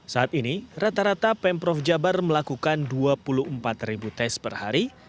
saat ini rata rata pemprov jabar melakukan dua puluh empat ribu tes per hari